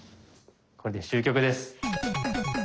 これで終局です。